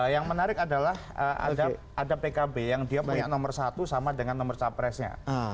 yang menarik adalah ada pkb yang dia punya nomor satu sama dengan nomor capresnya